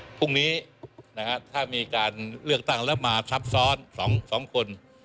พรุ่งนี้ถ้ามีการเลือกตั้งแล้วมาซับซ้อน๒คน